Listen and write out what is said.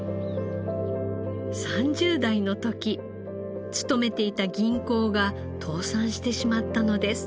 ３０代の時勤めていた銀行が倒産してしまったのです。